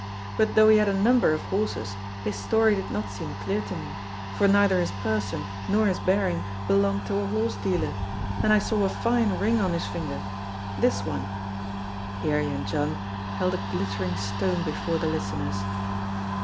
But though he had a number of horses, his story did not seem clear to me, for neither his person nor his bearing belonged to a horse dealer, and I saw a fine ring on his finger, this one." Here Jendzian held a glittering stone before the listeners.